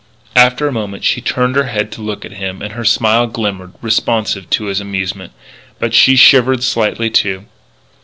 After a moment she turned her head to look at him, and her smile glimmered, responsive to his amusement. But she shivered slightly, too.